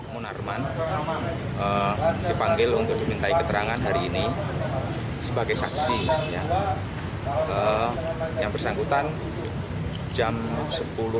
munarman dipanggil untuk memintai keterangan hari ini sebagai saksi yang bersatu